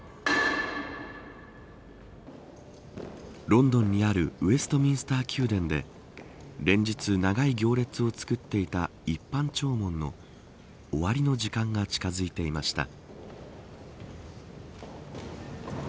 ロンドンにあるウェストミンスター宮殿で連日、長い行列を作っていた一般弔問の終わりの時間が近づいていました。